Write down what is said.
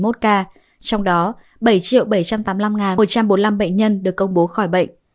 trong đó bảy bảy trăm tám mươi năm một trăm bốn mươi năm bệnh nhân được công bố khỏi bệnh